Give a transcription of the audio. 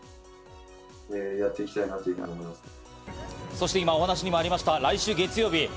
そして今、お話にありました、来週月曜日、ＦＩＦＡ